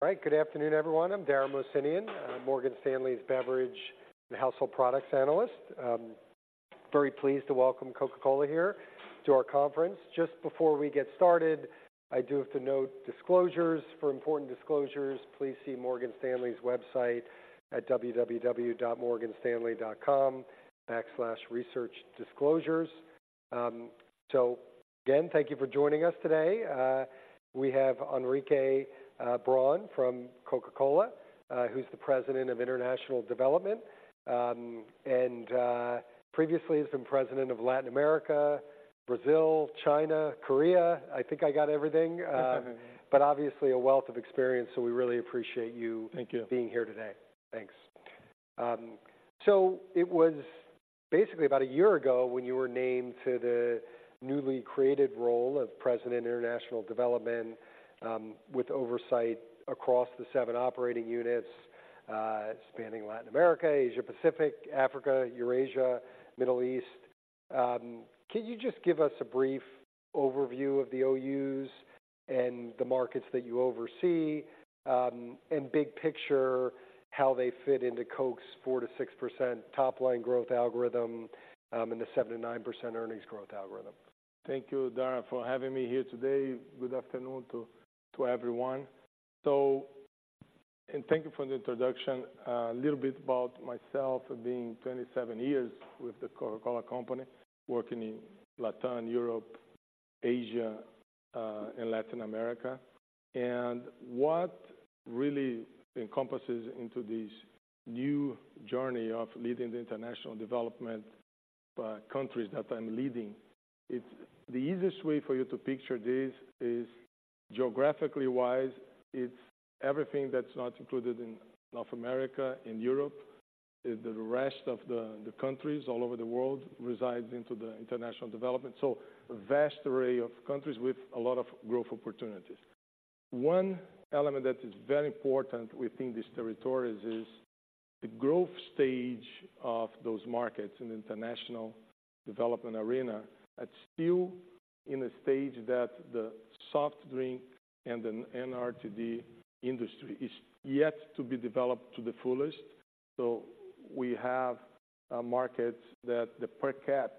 All right. Good afternoon, everyone. I'm Dara Mohsenian, Morgan Stanley's beverage and household products analyst. Very pleased to welcome Coca-Cola here to our conference. Just before we get started, I do have to note disclosures. For important disclosures, please see Morgan Stanley's website at www.morganstanley.com/researchdisclosures. So again, thank you for joining us today. We have Henrique Braun from Coca-Cola, who's the president of International Development. And previously, he's been president of Latin America, Brazil, China, Korea. I think I got everything. But obviously a wealth of experience, so we really appreciate you- Thank you. -being here today. Thanks. So it was basically about a year ago when you were named to the newly created role of President International Development, with oversight across the 7 operating units, spanning Latin America, Asia, Pacific, Africa, Eurasia, Middle East. Can you just give us a brief overview of the OUs and the markets that you oversee, and big picture, how they fit into Coke's 4%-6% top-line growth algorithm, and the 7%-9% earnings growth algorithm? Thank you, Dara, for having me here today. Good afternoon to everyone. So... Thank you for the introduction. A little bit about myself, being 27 years with the Coca-Cola Company, working in Latin, Europe, Asia, and Latin America. What really encompasses into this new journey of leading the international development countries that I'm leading, it's the easiest way for you to picture this is, geographically wise, it's everything that's not included in North America and Europe. It's the rest of the countries all over the world resides into the international development, so a vast array of countries with a lot of growth opportunities. One element that is very important within these territories is the growth stage of those markets in the international development arena are still in a stage that the soft drink and the NRTD industry is yet to be developed to the fullest. So we have markets that the per cap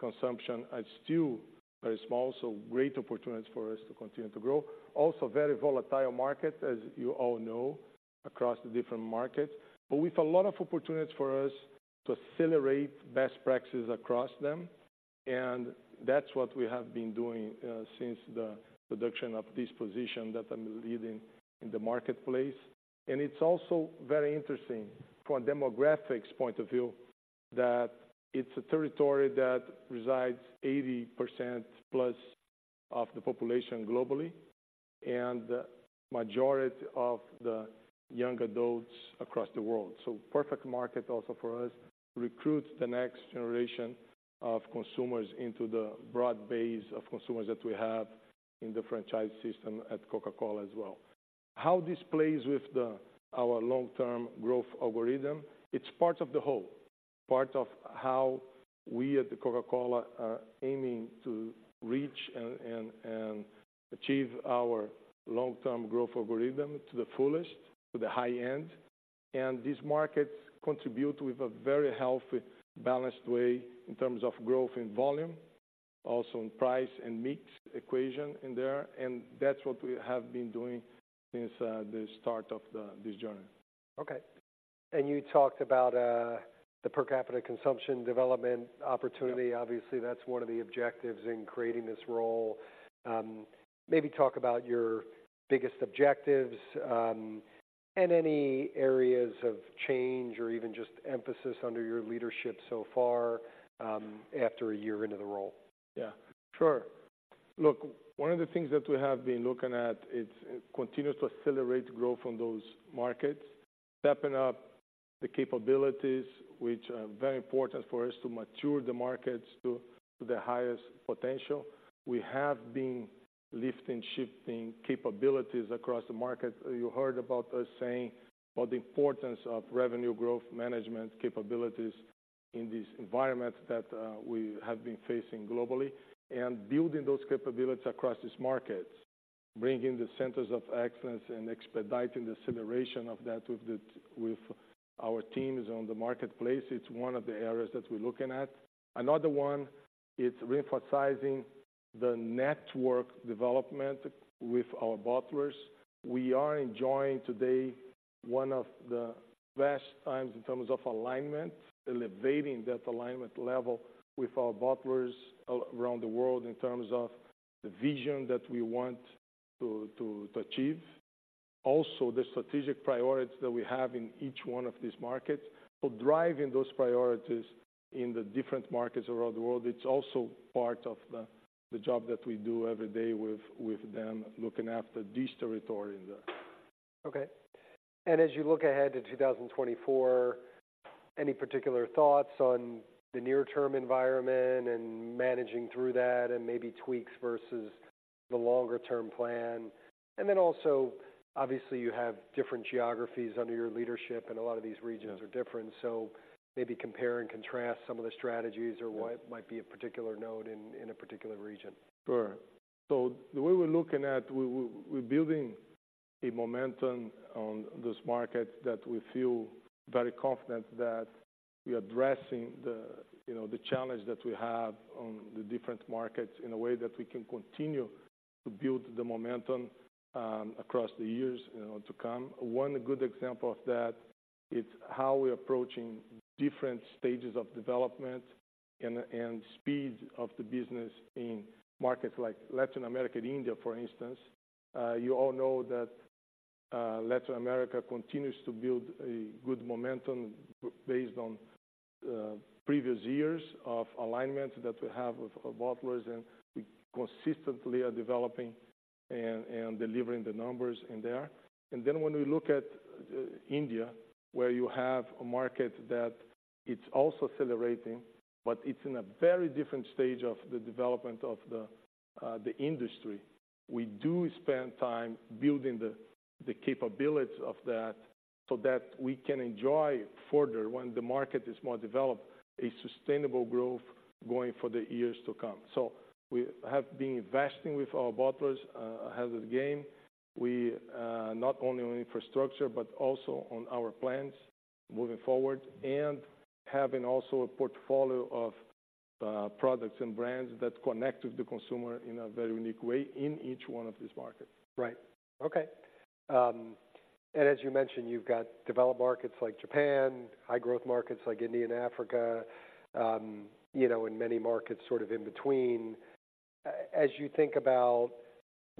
consumption are still very small, so great opportunities for us to continue to grow. Also, very volatile market, as you all know, across the different markets, but with a lot of opportunities for us to accelerate best practices across them, and that's what we have been doing since the production of this position that I'm leading in the marketplace. And it's also very interesting from a demographics point of view, that it's a territory that resides 80%+ of the population globally and the majority of the young adults across the world. So perfect market also for us to recruit the next generation of consumers into the broad base of consumers that we have in the franchise system at Coca-Cola as well. How this plays with our long-term growth algorithm, it's part of the whole. Part of how we at the Coca-Cola are aiming to reach and achieve our long-term growth algorithm to the fullest, to the high end. And these markets contribute with a very healthy, balanced way in terms of growth in volume, also in price and mix equation in there, and that's what we have been doing since the start of this journey. Okay. And you talked about the per capita consumption development opportunity. Yeah. Obviously, that's one of the objectives in creating this role. Maybe talk about your biggest objectives, and any areas of change or even just emphasis under your leadership so far, after a year into the role. Yeah, sure. Look, one of the things that we have been looking at is continue to accelerate growth from those markets, stepping up the capabilities, which are very important for us to mature the markets to the highest potential. We have been lifting, shifting capabilities across the market. You heard about us saying about the importance of revenue growth management capabilities in these environments that we have been facing globally, and building those capabilities across these markets, bringing the centers of excellence and expediting the acceleration of that with our teams on the marketplace. It's one of the areas that we're looking at. Another one, it's re-emphasizing the network development with our bottlers. We are enjoying today one of the best times in terms of alignment, elevating that alignment level with our bottlers around the world in terms of the vision that we want to achieve. Also, the strategic priorities that we have in each one of these markets. So driving those priorities in the different markets around the world, it's also part of the job that we do every day with them, looking after this territory in there. Okay. And as you look ahead to 2024, any particular thoughts on the near-term environment and managing through that and maybe tweaks versus the longer-term plan? And then also, obviously, you have different geographies under your leadership, and a lot of these regions- Yeah... are different. So maybe compare and contrast some of the strategies or what- Yeah Might be a particular note in a particular region. Sure. So the way we're looking at, we're building a momentum on this market that we feel very confident that we are addressing the, you know, the challenge that we have on the different markets in a way that we can continue to build the momentum, across the years, you know, to come. One good example of that, it's how we're approaching different stages of development and speed of the business in markets like Latin America and India, for instance. You all know that, Latin America continues to build a good momentum based on previous years of alignment that we have with our bottlers, and we consistently are developing and delivering the numbers in there. And then when we look at India, where you have a market that it's also accelerating, but it's in a very different stage of the development of the industry. We do spend time building the capability of that so that we can enjoy further when the market is more developed a sustainable growth going for the years to come. So we have been investing with our bottlers as a game. We not only on infrastructure, but also on our plans moving forward and having also a portfolio of products and brands that connect with the consumer in a very unique way in each one of these markets. Right. Okay. And as you mentioned, you've got developed markets like Japan, high growth markets like India and Africa, you know, and many markets sort of in between. As you think about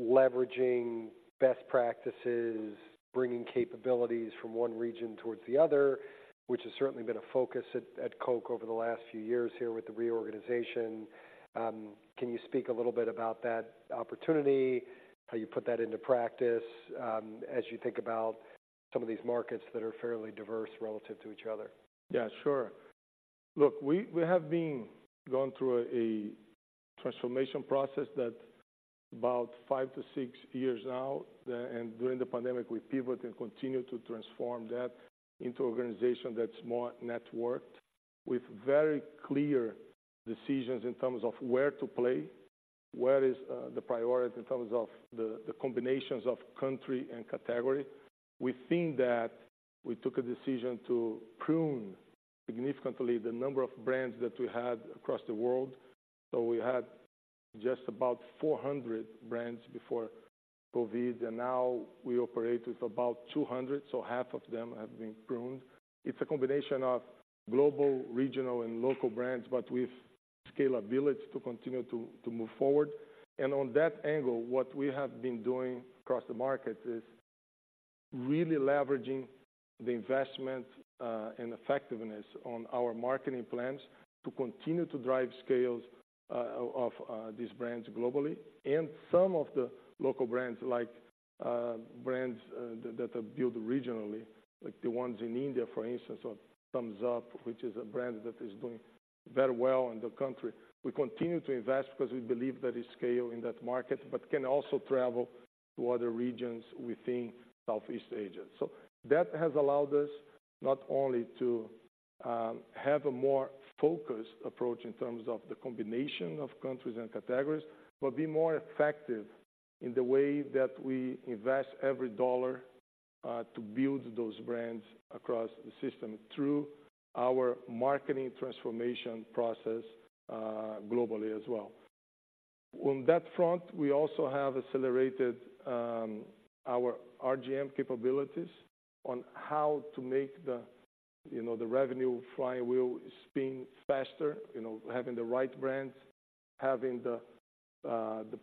leveraging best practices, bringing capabilities from one region towards the other, which has certainly been a focus at Coke over the last few years here with the reorganization, can you speak a little bit about that opportunity, how you put that into practice, as you think about some of these markets that are fairly diverse relative to each other? Yeah, sure. Look, we, we have been going through a transformation process that about 5-6 years now, and during the pandemic, we pivoted and continued to transform that into an organization that's more networked, with very clear decisions in terms of where to play, where is the priority in terms of the, the combinations of country and category. We think that we took a decision to prune significantly the number of brands that we had across the world. So we had just about 400 brands before COVID, and now we operate with about 200, so half of them have been pruned. It's a combination of global, regional, and local brands, but with scalability to continue to, to move forward. On that angle, what we have been doing across the market is really leveraging the investment and effectiveness on our marketing plans to continue to drive scales of these brands globally. Some of the local brands, like brands that are built regionally, like the ones in India, for instance, or Thums Up, which is a brand that is doing very well in the country. We continue to invest because we believe that it's scale in that market, but can also travel to other regions within Southeast Asia. So that has allowed us not only to have a more focused approach in terms of the combination of countries and categories, but be more effective in the way that we invest every dollar to build those brands across the system through our marketing transformation process globally as well. On that front, we also have accelerated our RGM capabilities on how to make the, you know, the revenue flywheel spin faster, you know, having the right brands, having the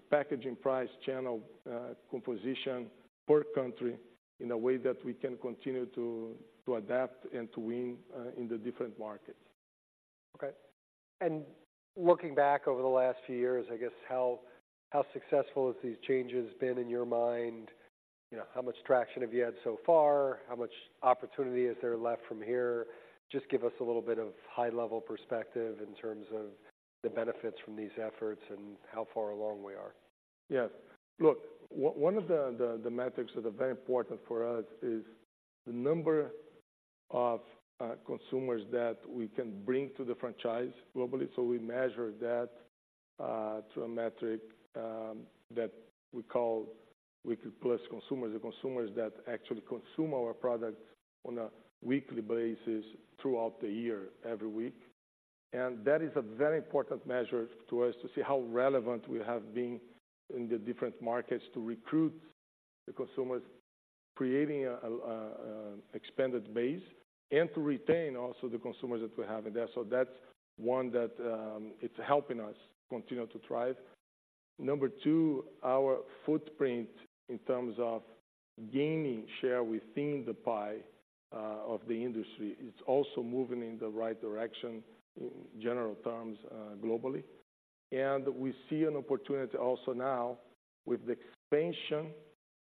packaging price, channel, composition per country in a way that we can continue to adapt and to win in the different markets. Okay. Looking back over the last few years, I guess, how, how successful have these changes been in your mind? You know, how much traction have you had so far? How much opportunity is there left from here? Just give us a little bit of high-level perspective in terms of the benefits from these efforts and how far along we are. Yes. Look, one of the metrics that are very important for us is the number of consumers that we can bring to the franchise globally. So we measure that through a metric that we call Weekly Plus Consumers, the consumers that actually consume our products on a weekly basis throughout the year, every week. And that is a very important measure to us to see how relevant we have been in the different markets, to recruit the consumers, creating an expanded base and to retain also the consumers that we have in there. So that's one that it's helping us continue to thrive. Number two, our footprint in terms of gaining share within the pie of the industry is also moving in the right direction in general terms, globally. We see an opportunity also now with the expansion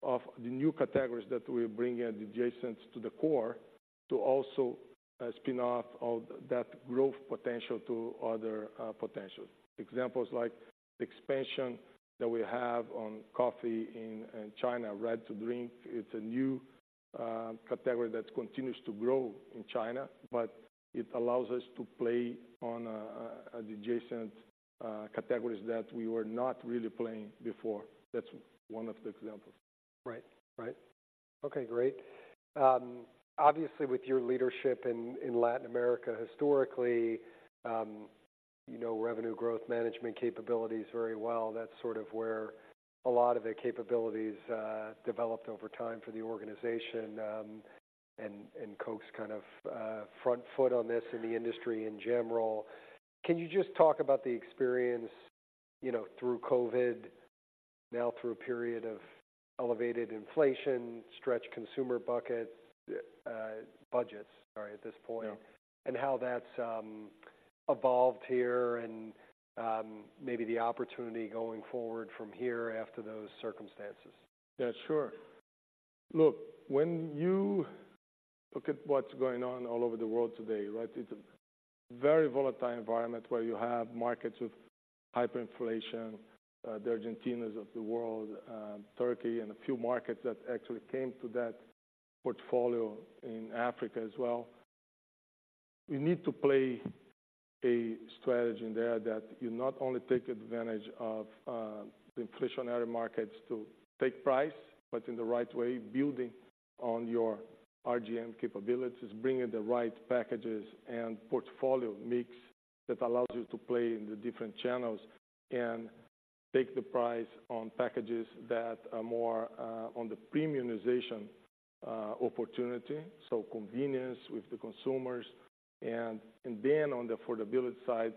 of the new categories that we're bringing adjacent to the core, to also spin off all that growth potential to other potentials. Examples like the expansion that we have on coffee in China, ready to drink. It's a new category that continues to grow in China, but it allows us to play on adjacent categories that we were not really playing before. That's one of the examples. Right. Right. Okay, great. Obviously, with your leadership in, in Latin America, historically, you know revenue growth management capabilities very well. That's sort of where a lot of the capabilities developed over time for the organization, and, and Coke's kind of front foot on this in the industry in general. Can you just talk about the experience, you know, through COVID, now through a period of elevated inflation, stretched consumer buckets, budgets, sorry, at this point- Yeah... and how that's evolved here, and maybe the opportunity going forward from here after those circumstances? Yeah, sure. Look, when you look at what's going on all over the world today, right, it's a very volatile environment where you have markets with hyperinflation, the Argentinas of the world, Turkey, and a few markets that actually came to that portfolio in Africa as well. You need to play a strategy in there that you not only take advantage of, the inflationary markets to take price, but in the right way, building on your RGM capabilities, bringing the right packages and portfolio mix that allows you to play in the different channels and take the price on packages that are more, on the premiumization, opportunity, so convenience with the consumers. And then on the affordability side,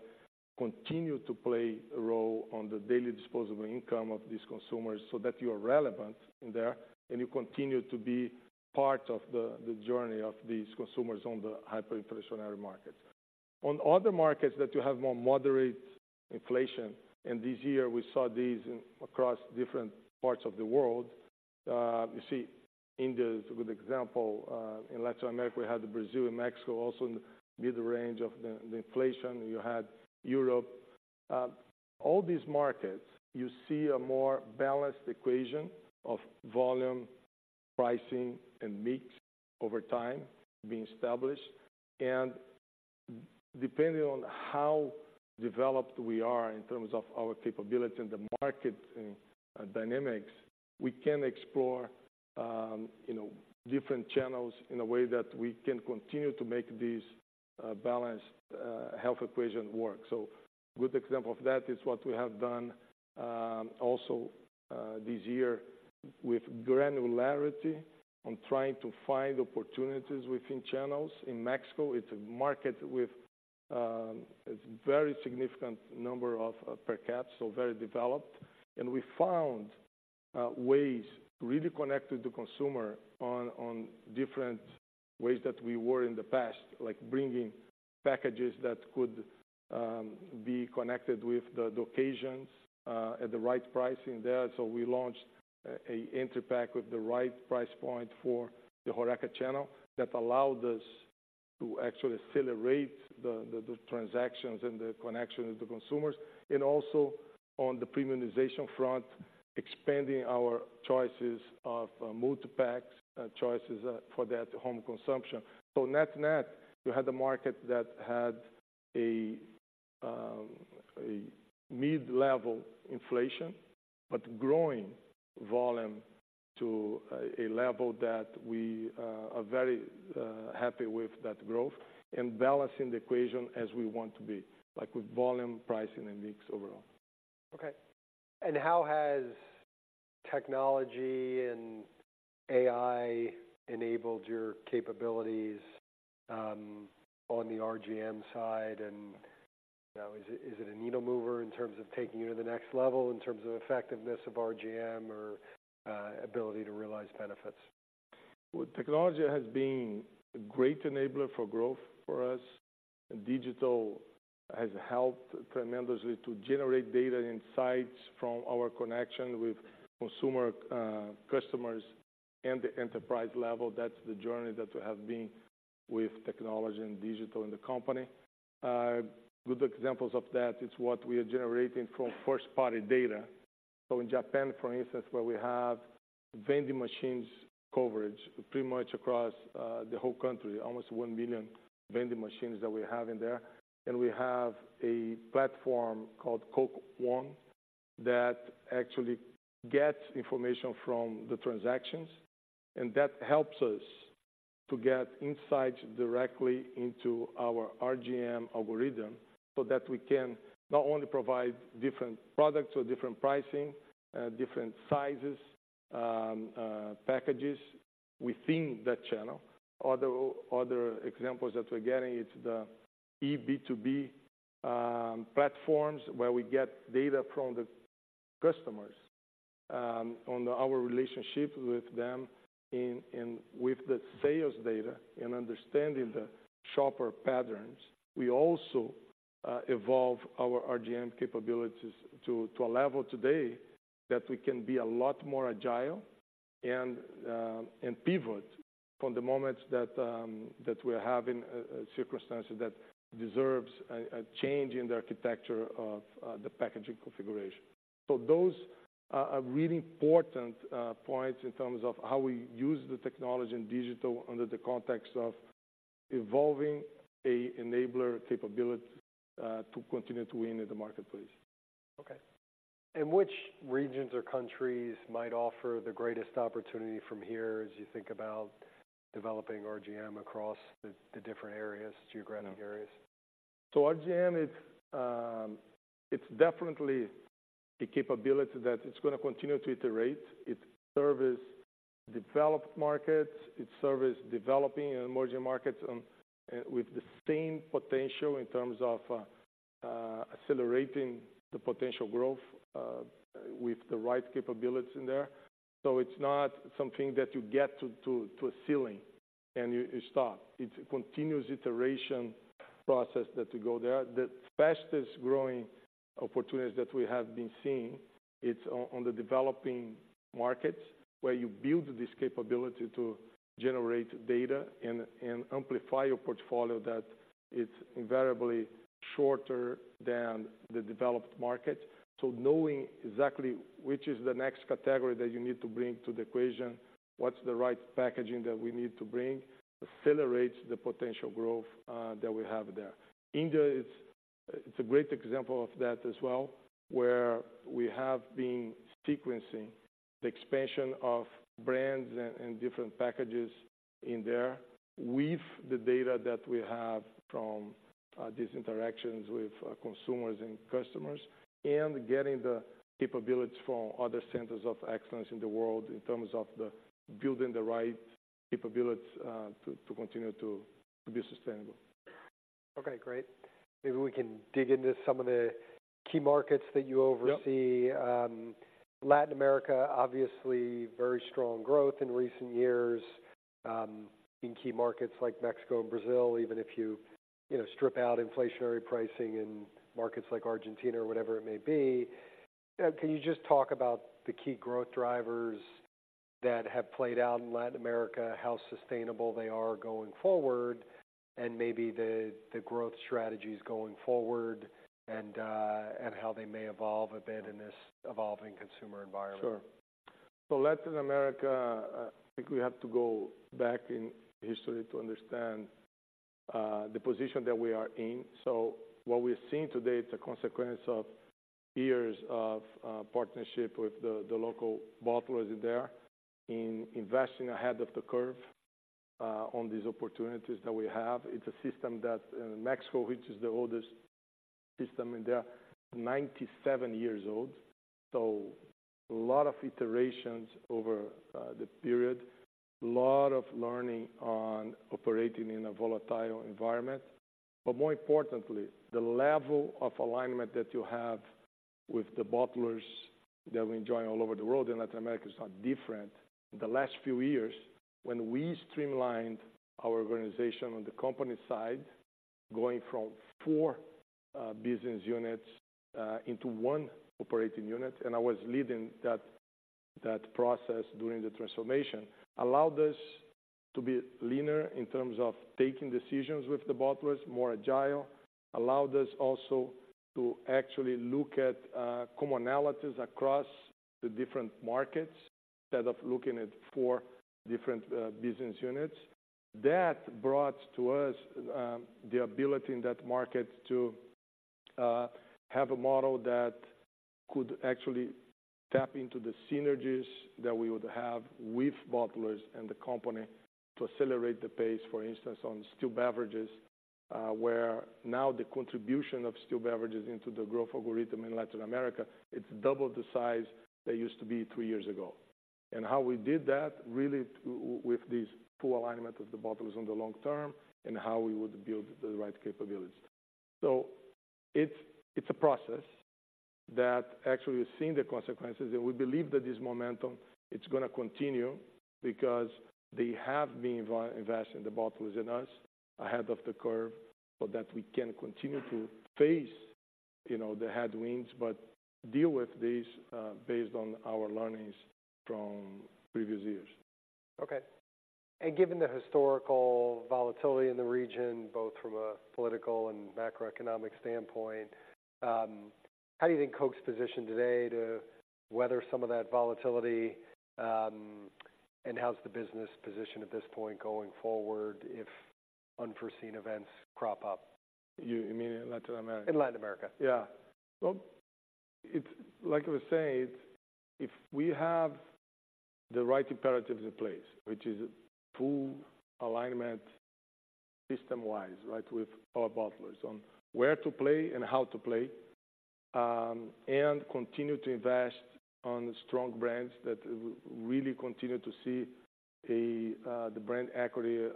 continue to play a role on the daily disposable income of these consumers so that you are relevant in there, and you continue to be part of the journey of these consumers on the hyperinflationary market. On other markets, that you have more moderate inflation, and this year we saw these across different parts of the world. You see India is a good example. In Latin America, we had Brazil and Mexico also in the mid-range of the inflation. You had Europe. All these markets, you see a more balanced equation of volume, pricing, and mix over time being established. Depending on how developed we are in terms of our capability and the market and dynamics, we can explore, you know, different channels in a way that we can continue to make these balanced health equation work. So a good example of that is what we have done also this year with granularity on trying to find opportunities within channels. In Mexico, it's a market with a very significant number of per caps, so very developed. We found ways to really connect with the consumer on different ways that we were in the past, like bringing packages that could be connected with the occasions at the right pricing there. So we launched an entry pack with the right price point for the Horeca channel that allowed us to actually accelerate the transactions and the connection with the consumers, and also on the premiumization front, expanding our choices of multipacks, choices, for that home consumption. So net-net, you had a market that had a mid-level inflation, but growing volume to a level that we are very happy with that growth and balancing the equation as we want to be, like with volume, pricing, and mix overall. Okay, and how has technology and AI enabled your capabilities on the RGM side? And, you know, is it a needle mover in terms of taking you to the next level, in terms of effectiveness of RGM or ability to realize benefits? Well, technology has been a great enabler for growth for us, and digital has helped tremendously to generate data insights from our connection with consumer, customers and the enterprise level. That's the journey that we have been with technology and digital in the company. Good examples of that, it's what we are generating from first-party data. So in Japan, for instance, where we have vending machines coverage pretty much across, the whole country, almost 1 million vending machines that we have in there, and we have a platform called Coke ON that actually gets information from the transactions, and that helps us to get insights directly into our RGM algorithm, so that we can not only provide different products or different pricing, different sizes, packages within that channel. Other examples that we're getting, it's the eB2B platforms, where we get data from the customers on our relationship with them in with the sales data and understanding the shopper patterns. We also evolve our RGM capabilities to a level today that we can be a lot more agile and pivot from the moment that we're having a circumstance that deserves a change in the architecture of the packaging configuration. So those are really important points in terms of how we use the technology and digital under the context of evolving an enabler capability to continue to win in the marketplace. Okay. And which regions or countries might offer the greatest opportunity from here, as you think about developing RGM across the different areas, geographic areas? So RGM, it's definitely a capability that it's gonna continue to iterate. It serves developed markets, it serves developing and emerging markets with the same potential in terms of accelerating the potential growth with the right capabilities in there. So it's not something that you get to a ceiling, and you stop. It's a continuous iteration process that you go there. The fastest-growing opportunities that we have been seeing, it's on the developing markets, where you build this capability to generate data and amplify your portfolio, that it's invariably shorter than the developed market. So knowing exactly which is the next category that you need to bring to the equation, what's the right packaging that we need to bring, accelerates the potential growth that we have there. India is... It's a great example of that as well, where we have been sequencing the expansion of brands and different packages in there with the data that we have from these interactions with consumers and customers, and getting the capabilities from other centers of excellence in the world, in terms of building the right capabilities to continue to be sustainable. Okay, great. Maybe we can dig into some of the key markets that you oversee. Yep. Latin America, obviously, very strong growth in recent years, in key markets like Mexico and Brazil, even if you, you know, strip out inflationary pricing in markets like Argentina or whatever it may be. Can you just talk about the key growth drivers that have played out in Latin America, how sustainable they are going forward, and maybe the growth strategies going forward, and how they may evolve a bit in this evolving consumer environment? Sure. So Latin America, I think we have to go back in history to understand, the position that we are in. So what we're seeing today, it's a consequence of years of, partnership with the, the local bottlers there, in investing ahead of the curve, on these opportunities that we have. It's a system that, in Mexico, which is the oldest system in there, 97 years old, so a lot of iterations over, the period, a lot of learning on operating in a volatile environment. But more importantly, the level of alignment that you have with the bottlers that we enjoy all over the world, and Latin America is not different. In the last few years, when we streamlined our organization on the company side, going from four business units into one operating unit, and I was leading that, that process during the transformation, allowed us to be leaner in terms of taking decisions with the bottlers, more agile. Allowed us also to actually look at commonalities across the different markets, instead of looking at four different business units. That brought to us the ability in that market to have a model that could actually tap into the synergies that we would have with bottlers and the company to accelerate the pace, for instance, on still beverages, where now the contribution of still beverages into the growth algorithm in Latin America, it's double the size they used to be two years ago. How we did that, really, with this full alignment with the bottlers on the long term, and how we would build the right capabilities. It's a process that actually we're seeing the consequences, and we believe that this momentum, it's gonna continue because they have been investing, the bottlers and us, ahead of the curve, so that we can continue to face, you know, the headwinds, but deal with these based on our learnings from previous years. Okay. Given the historical volatility in the region, both from a political and macroeconomic standpoint, how do you think Coke's positioned today to weather some of that volatility? And how's the business positioned at this point, going forward, if unforeseen events crop up? You mean in Latin America? In Latin America. Yeah. Well, it's like I was saying, if we have the right imperatives in place, which is full alignment, system-wise, right, with our bottlers on where to play and how to play, and continue to invest on strong brands that really continue to see the brand equity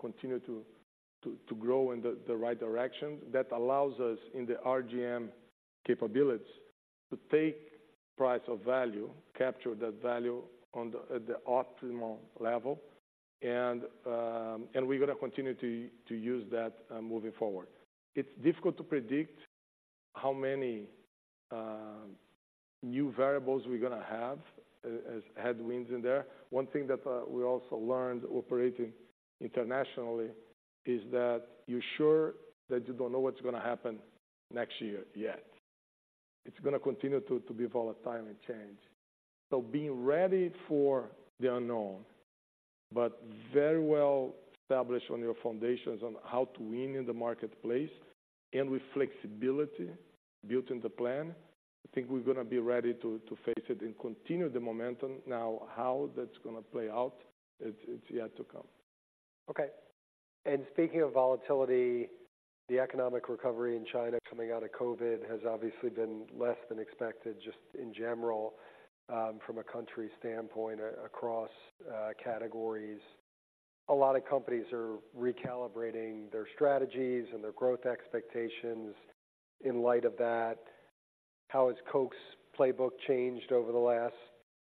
continue to grow in the right direction, that allows us, in the RGM capabilities, to take price of value, capture that value at the optimal level, and we're gonna continue to use that moving forward. It's difficult to predict how many new variables we're gonna have, as headwinds in there. One thing that we also learned operating internationally is that you're sure that you don't know what's gonna happen next year yet. It's gonna continue to be volatile and change. So being ready for the unknown, but very well established on your foundations on how to win in the marketplace, and with flexibility built in the plan, I think we're gonna be ready to, to face it and continue the momentum. Now, how that's gonna play out, it's, it's yet to come. Okay. And speaking of volatility, the economic recovery in China coming out of COVID has obviously been less than expected, just in general, from a country standpoint across categories. A lot of companies are recalibrating their strategies and their growth expectations. In light of that, how has Coke's playbook changed over the last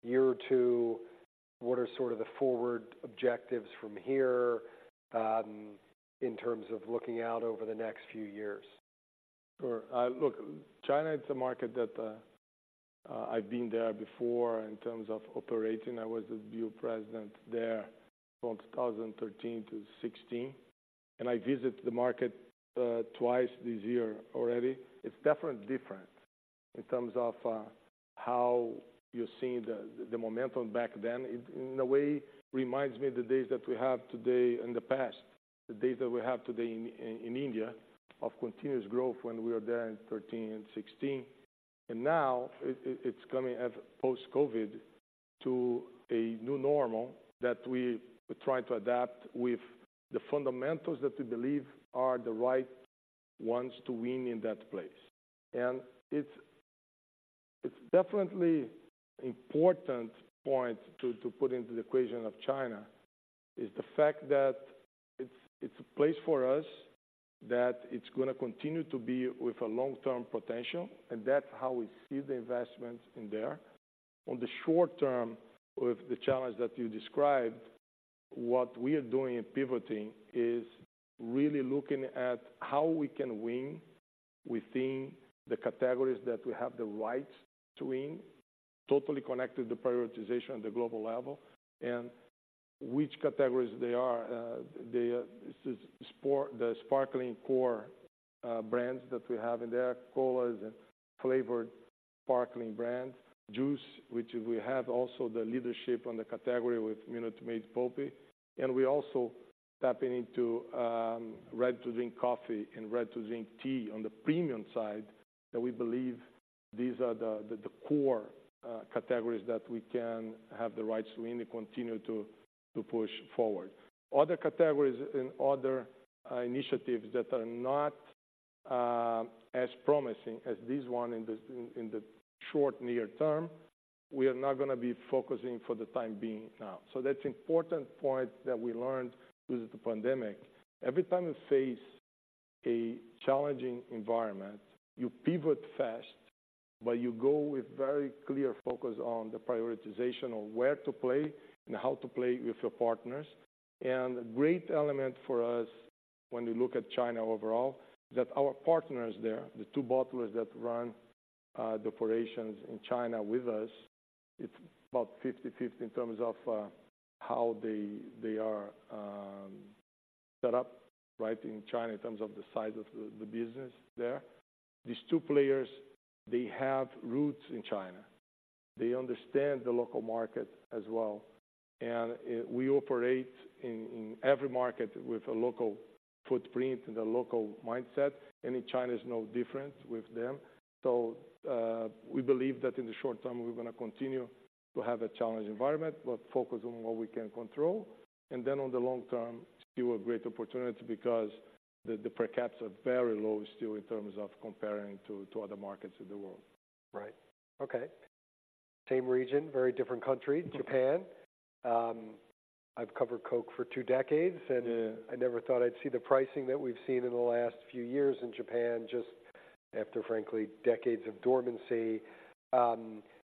year or two? What are sort of the forward objectives from here, in terms of looking out over the next few years? Sure. Look, China is a market that I've been there before in terms of operating. I was the President there from 2013 to 2016, and I visit the market twice this year already. It's definitely different in terms of how you're seeing the momentum back then. It, in a way, reminds me of the days that we have today. In the past, the days that we have today in India, of continuous growth when we were there in 2013 and 2016. And now, it's coming at post-COVID to a new normal that we try to adapt with the fundamentals that we believe are the right ones to win in that place. It's definitely an important point to put into the equation of China, is the fact that it's a place for us that it's gonna continue to be with a long-term potential, and that's how we see the investment in there. On the short term, with the challenge that you described, what we are doing in pivoting is really looking at how we can win within the categories that we have the right to win, totally connected to prioritization at the global level, and which categories they are. They are the sparkling core brands that we have in there, colas and flavored sparkling brands, juice, which we have also the leadership on the category with Minute Maid Pulpy. We also tapping into ready-to-drink coffee and ready-to-drink tea on the premium side, that we believe these are the core categories that we can have the right to win and continue to push forward. Other categories and other initiatives that are not as promising as this one in the short near term, we are not gonna be focusing for the time being now. So that's important point that we learned with the pandemic. Every time you face a challenging environment, you pivot fast, but you go with very clear focus on the prioritization of where to play and how to play with your partners. And a great element for us when we look at China overall, that our partners there, the two bottlers that run the operations in China with us, it's about 50/50 in terms of how they are set up, right, in China, in terms of the size of the business there. These two players, they have roots in China. They understand the local market as well, and we operate in every market with a local footprint and a local mindset, and in China is no different with them. So, we believe that in the short term, we're gonna continue to have a challenged environment, but focus on what we can control, and then on the long term, still a great opportunity because the per caps are very low still in terms of comparing to other markets in the world. Right. Okay. Same region, very different country, Japan. Mm-hmm. I've covered Coke for two decades- Yeah. and I never thought I'd see the pricing that we've seen in the last few years in Japan, just after, frankly, decades of dormancy.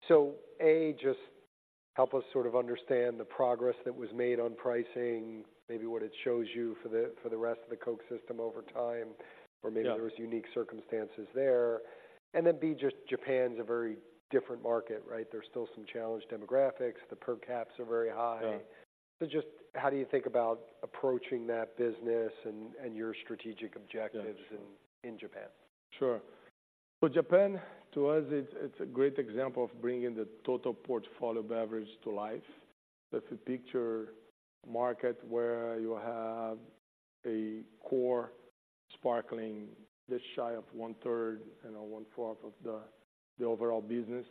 So, A, just help us sort of understand the progress that was made on pricing, maybe what it shows you for the, for the rest of the Coke system over time- Yeah. or maybe there was unique circumstances there. And then, B, just Japan's a very different market, right? There's still some challenged demographics. The per caps are very high. Yeah. So, just how do you think about approaching that business and your strategic objectives? Yeah. in Japan? Sure. So Japan, to us, it's a great example of bringing the total beverage portfolio to life. That's a mature market where you have a core sparkling, just shy of one third and one fourth of the overall business.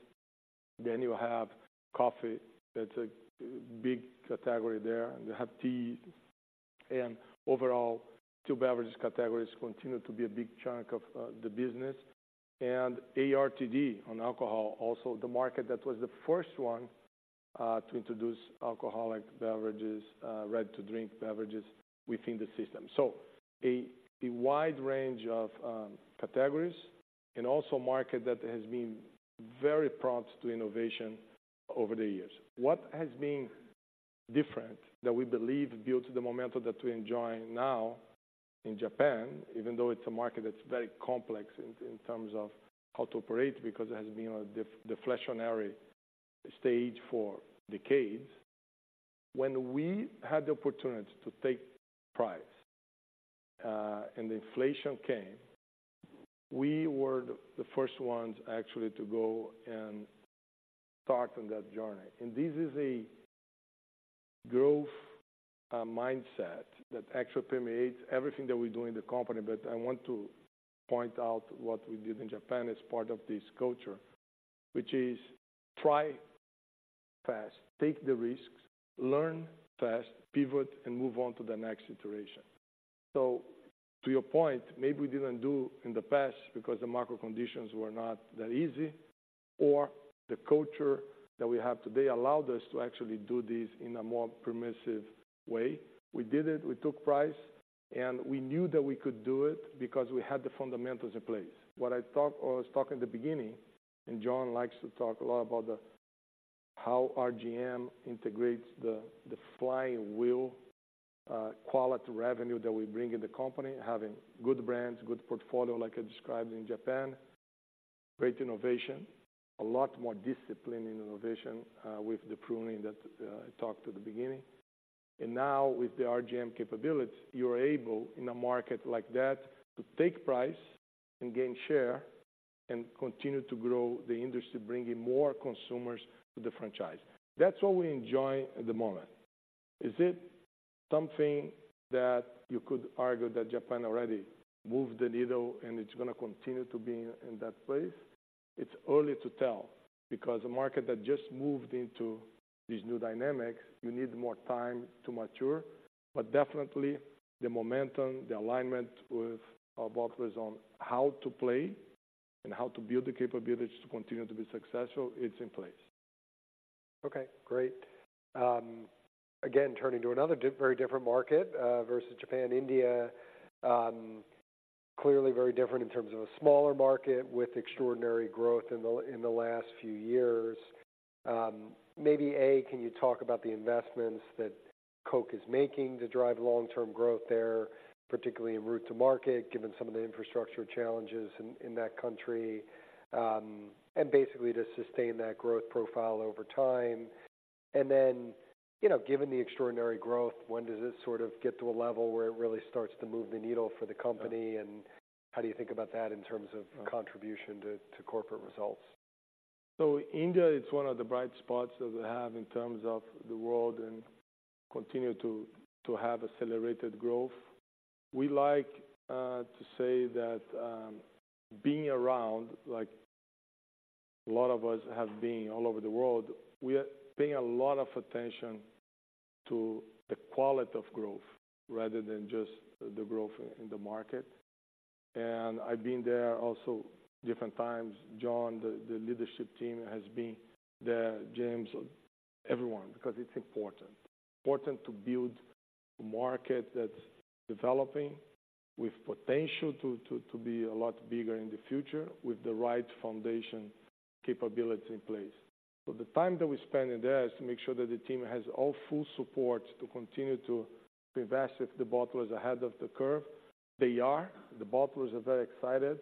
Then you have coffee. That's a big category there. You have tea. And overall, two beverage categories continue to be a big chunk of the business. And ARTD on alcohol, also the market that was the first one to introduce alcoholic ready-to-drink beverages within the system. So a wide range of categories and also market that has been very prone to innovation over the years. What has been different, that we believe built the momentum that we're enjoying now in Japan, even though it's a market that's very complex in terms of how to operate, because it has been a deflationary stage for decades. When we had the opportunity to take price and the inflation came, we were the first ones actually to go and start on that journey. And this is a growth mindset that actually permeates everything that we do in the company. But I want to point out what we did in Japan as part of this culture, which is try fast, take the risks, learn fast, pivot, and move on to the next iteration. So to your point, maybe we didn't do in the past because the macro conditions were not that easy, or the culture that we have today allowed us to actually do this in a more permissive way. We did it. We took price, and we knew that we could do it because we had the fundamentals in place. What I thought I was talking in the beginning, and John likes to talk a lot about the, how RGM integrates the, the flywheel, quality revenue that we bring in the company. Having good brands, good portfolio, like I described in Japan, great innovation, a lot more discipline in innovation, with the pruning that, I talked to the beginning. And now with the RGM capabilities, you're able, in a market like that, to take price and gain share and continue to grow the industry, bringing more consumers to the franchise. That's what we enjoy at the moment. Is it something that you could argue that Japan already moved the needle and it's gonna continue to be in that place? It's early to tell, because a market that just moved into these new dynamics, you need more time to mature. But definitely the momentum, the alignment with our bottlers on how to play and how to build the capabilities to continue to be successful, it's in place. Okay, great. Again, turning to another very different market versus Japan, India. Clearly very different in terms of a smaller market with extraordinary growth in the last few years. Maybe, A, can you talk about the investments that Coke is making to drive long-term growth there, particularly in route to market, given some of the infrastructure challenges in that country? And basically, to sustain that growth profile over time. And then, you know, given the extraordinary growth, when does it sort of get to a level where it really starts to move the needle for the company? And how do you think about that in terms of contribution to corporate results? So India is one of the bright spots that we have in terms of the world and continue to have accelerated growth. We like to say that, being around, like a lot of us have been all over the world, we are paying a lot of attention to the quality of growth rather than just the growth in the market. And I've been there also different times. John, the leadership team, has been there, James, everyone, because it's important. Important to build a market that's developing with potential to be a lot bigger in the future with the right foundation capability in place. So the time that we spend in there is to make sure that the team has all full support to continue to invest if the bottlers are ahead of the curve. They are. The bottlers are very excited.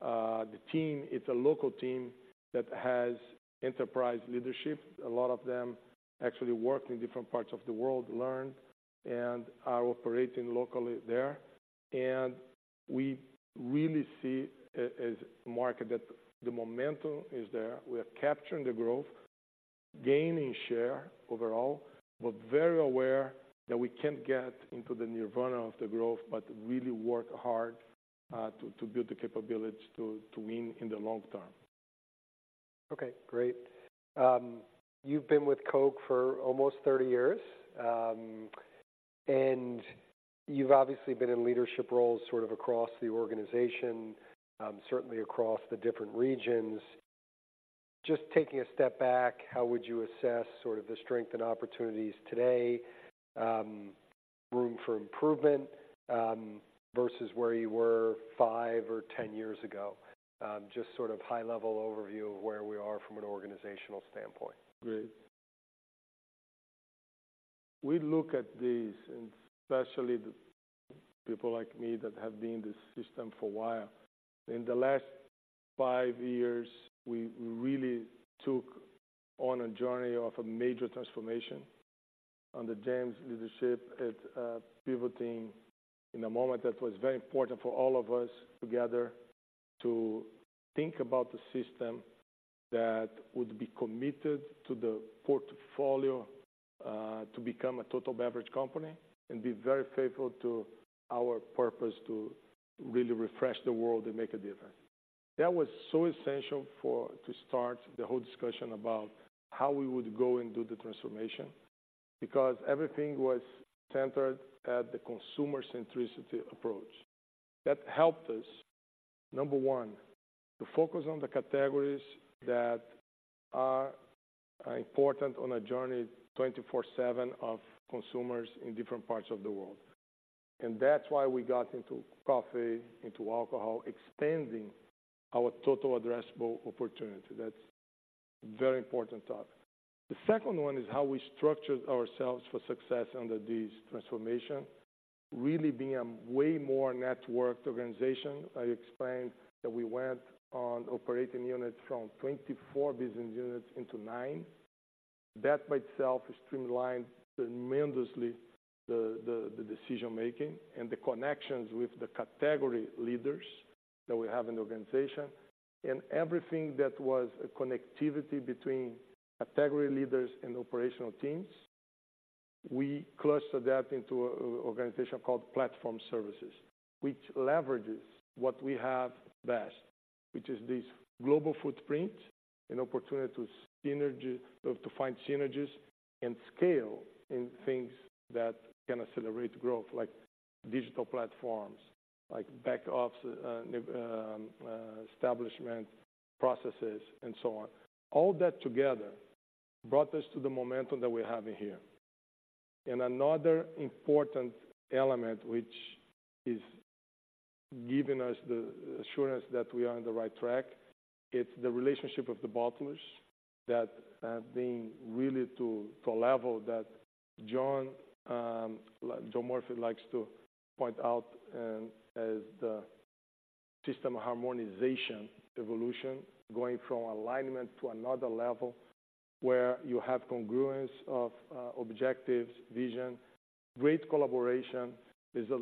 The team, it's a local team that has enterprise leadership. A lot of them actually work in different parts of the world, learn, and are operating locally there. And we really see a, as market that the momentum is there. We are capturing the growth, gaining share overall, but very aware that we can't get into the nirvana of the growth, but really work hard to build the capability to win in the long term. Okay, great. You've been with Coke for almost 30 years. You've obviously been in leadership roles sort of across the organization, certainly across the different regions. Just taking a step back, how would you assess sort of the strength and opportunities today, room for improvement, versus where you were 5 or 10 years ago? Just sort of high-level overview of where we are from an organizational standpoint. Great. We look at this, and especially the people like me that have been in the system for a while. In the last 5 years, we really took on a journey of a major transformation under James' leadership at pivoting in a moment that was very important for all of us together to think about the system that would be committed to the portfolio to become a total beverage company and be very faithful to our purpose, to really refresh the world and make a difference. That was so essential to start the whole discussion about how we would go and do the transformation, because everything was centered at the consumer centricity approach. That helped us, number one, to focus on the categories that are important on a journey 24/7 of consumers in different parts of the world. That's why we got into coffee, into alcohol, expanding our total addressable opportunity. That's a very important topic. The second one is how we structured ourselves for success under this transformation, really being a way more networked organization. I explained that we went to Operating Units from 24 business units into 9. That by itself streamlined tremendously the decision making and the connections with the category leaders that we have in the organization. Everything that was a connectivity between category leaders and operational teams, we clustered that into an organization called Platform Services, which leverages what we have best, which is this global footprint, an opportunity to find synergies and scale in things that can accelerate growth, like digital platforms, like back office establishment processes, and so on. All that together brought us to the momentum that we have in here. And another important element, which is giving us the assurance that we are on the right track, it's the relationship of the bottlers that being really to a level that John, John Murphy likes to point out as the system harmonization evolution, going from alignment to another level where you have congruence of objectives, vision, great collaboration. There's a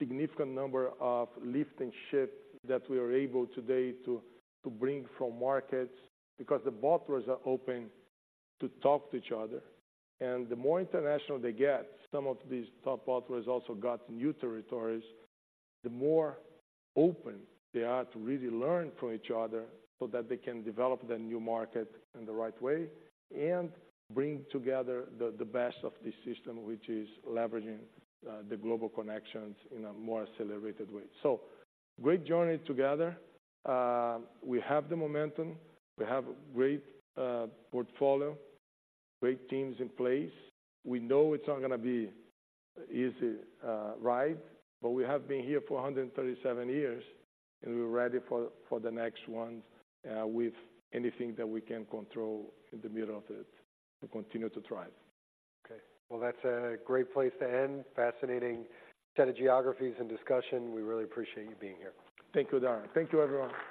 significant number of lift and shift that we are able today to bring from markets, because the bottlers are open to talk to each other. And the more international they get, some of these top bottlers also got new territories, the more open they are to really learn from each other so that they can develop the new market in the right way and bring together the best of this system, which is leveraging the global connections in a more accelerated way. So great journey together. We have the momentum. We have great portfolio, great teams in place. We know it's not gonna be easy ride, but we have been here for 137 years, and we're ready for the next one with anything that we can control in the middle of it to continue to thrive. Okay. Well, that's a great place to end. Fascinating set of geographies and discussion. We really appreciate you being here. Thank you, Dara. Thank you, everyone.